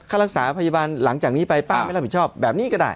รักษาพยาบาลหลังจากนี้ไปป้าไม่รับผิดชอบแบบนี้ก็ได้